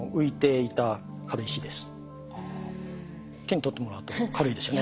手に取ってもらうと軽いですよね。